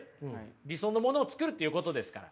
理想のものを作るっていうことですから。